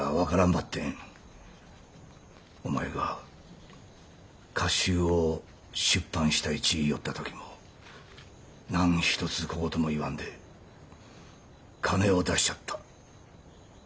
ばってんお前が歌集を出版したいち言いよった時も何一つ小言も言わんで金を出しちゃった」。